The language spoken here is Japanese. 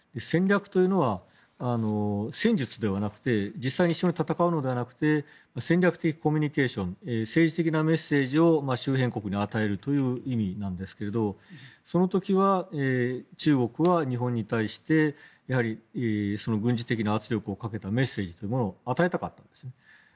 戦略というのは戦術ではなくて実際に一緒に戦うのではなくて戦略的コミュニケーション政治的なメッセージを周辺国に与えるという意味なんですけどその時は中国は日本に対してやはり、軍事的な圧力をかけたメッセージというものを与えたかったんですね。